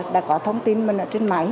đã có thông tin mình ở trên máy